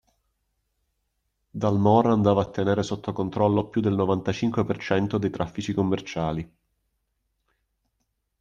Dalmor andava a tenere sotto controllo più del novantacinque percento dei traffici commerciali.